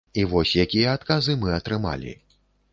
І вось якія адказы мы атрымалі.